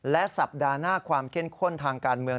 และสัปดาห์หน้าความเข้มข้นทางการเมือง